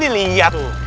ini lagi dilihat tuh